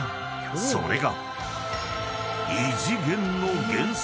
［それが］